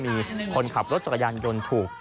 มีคนขับรถกระยังยนต์ถูก